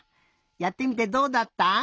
やってみてどうだった？